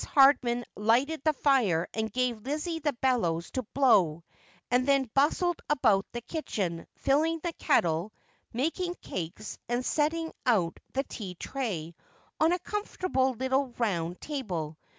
Hardman lighted the fire and gave Lizzie the bellows to blow, and then bustled about the kitchen, filling the kettle, making cakes, and setting out the tea tray on a comfortable little round table.